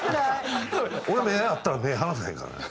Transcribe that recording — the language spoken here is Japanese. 俺目合ったら目離さへんからね。